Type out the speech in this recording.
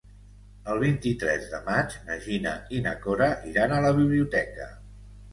El vint-i-tres de maig na Gina i na Cora iran a la biblioteca.